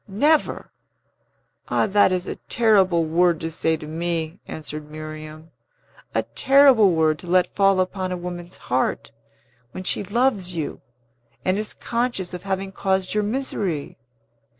"Never? Ah, that is a terrible word to say to me!" answered Miriam. "A terrible word to let fall upon a woman's heart, when she loves you, and is conscious of having caused your misery!